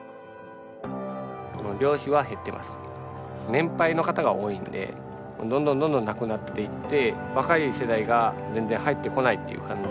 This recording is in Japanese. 年配の方が多いんでどんどんどんどん亡くなっていって若い世代が全然入ってこないっていう感じ。